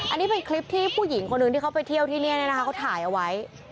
อันนี้เป็นคลิปที่ผู้หญิงคนหนึ่งที่เขาไปเที่ยวที่นี่นะคะเขาถ่ายเอาไว้